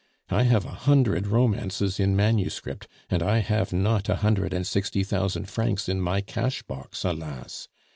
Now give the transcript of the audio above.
I have a hundred romances in manuscript, and I have not a hundred and sixty thousand francs in my cash box, alas!